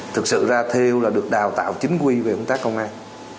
thực sự ra theo là được đào tạo chính quy về công tác công an